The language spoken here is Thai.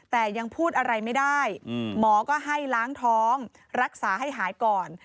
แต่ยังพูดอะไรไม่ได้หมอก็ให้ล้างท้องรักษาให้หายก่อน